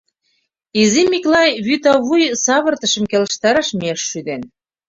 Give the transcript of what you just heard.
Изи Миклай вӱта вуй савыртышым келыштараш мияш шӱден.